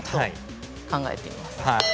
考えています。